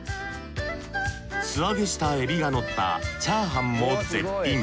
素揚げしたえびがのったチャーハンも絶品。